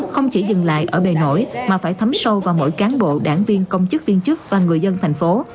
không chỉ dừng lại ở bề nổi mà phải thấm sâu vào mỗi cán bộ đảng viên công chức viên chức và người dân thành phố